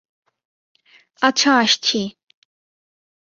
আচ্ছা, আসছি।